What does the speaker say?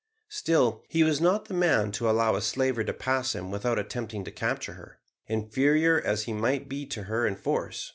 Still he was not the man to allow a slaver to pass him without attempting to capture her, inferior as he might be to her in force.